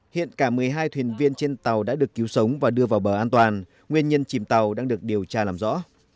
hiện cả một mươi hai thuyền viên trên tàu đã được cứu sống và đưa vào bờ an toàn nguyên nhân chìm tàu đang được điều tra làm rõ